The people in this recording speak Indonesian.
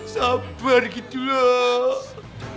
sabar gitu loh